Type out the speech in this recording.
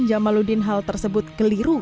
jamaludin hal tersebut keliru